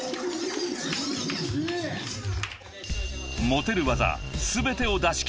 ［持てる技］